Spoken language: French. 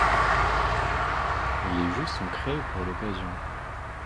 Les jeux sont crées pour l’occasion.